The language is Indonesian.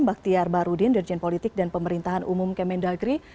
baktiar barudin dirjen politik dan pemerintahan umum kementerian negeri